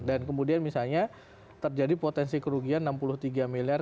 dan kemudian misalnya terjadi potensi kerugian enam puluh tiga miliar